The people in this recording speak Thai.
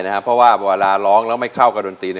เพราะว่าเวลาร้องแล้วไม่เข้ากับดนตรี